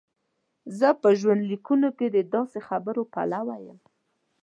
زه په ژوندلیکونو کې د داسې خبرو پلوی یم.